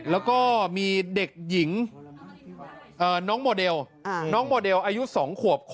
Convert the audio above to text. แล้วก็มีเด็กหญิงน้องโมเดลน้องโมเดลอายุ๒ขวบ